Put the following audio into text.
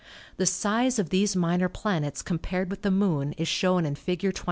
The size of these minor planets compared with the Moon is shown in Fig 27.